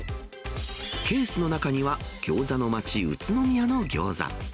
ケースの中には、ギョーザの街、宇都宮のギョーザ。